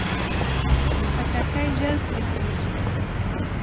خټکی ژر پرې کېږي.